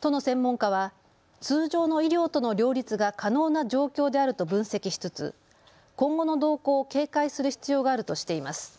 都の専門家は通常の医療との両立が可能な状況であると分析しつつ今後の動向を警戒する必要があるとしています。